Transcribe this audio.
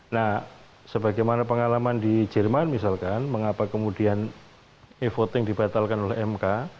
nah sebagaimana pengalaman di jerman misalkan mengapa kemudian e voting dibatalkan oleh mk